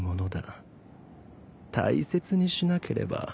大切にしなければ。